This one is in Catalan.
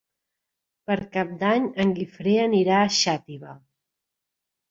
Per Cap d'Any en Guifré anirà a Xàtiva.